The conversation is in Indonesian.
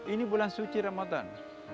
ini bulan suci ramadan